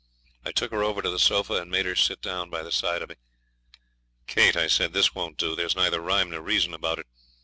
I took her over to the sofa, and made her sit down by the side of me. 'Kate,' I said, 'this won't do. There's neither rhyme nor reason about it.